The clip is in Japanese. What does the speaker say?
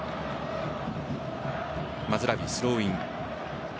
マズラウィ、スローイン。